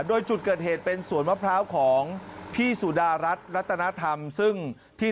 โดยจุดเกิดเหตุเป็นสวนมะพร้าวของพี่สุดารัฐรัตนธรรมซึ่งที่